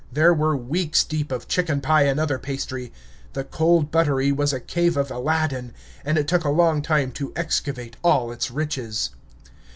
There were weeks deep of chicken pie and other pastry. The cold buttery was a cave of Aladdin, and it took a long time to excavate all its riches.